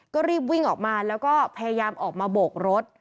ก็รีบวิ่งออกมาแล้วก็พยายามออกมาโบกรถ